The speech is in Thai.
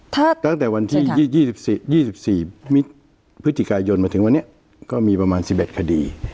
ถ้าตั้งแต่วันที่๒๔พฤศจิกายนมาถึงวันนี้ก็มีประมาณ๑๑คดี